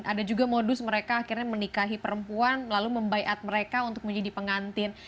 ada juga modus mereka akhirnya menikahi perempuan lalu membaikat mereka untuk menjadi pengantin